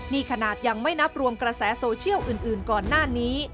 นี่ขนาดยังไม่นับรวมกระแสโซเชียลอื่นก่อนหน้านี้